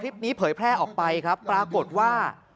เผยแพร่ออกไปครับปรากฏว่า